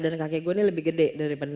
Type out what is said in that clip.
dan kakek gue ini lebih gede daripada